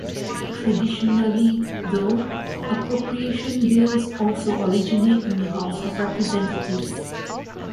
Traditionally, though, appropriation bills also originate in the House of Representatives.